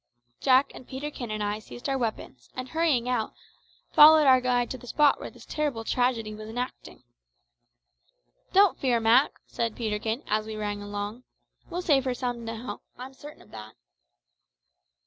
Jack and Peterkin and I seized our weapons, and hurrying out, followed our guide to the spot where this terrible tragedy was enacting. "Don't fear, Mak," said Peterkin, as we ran along; "we'll save her somehow. I'm certain of that."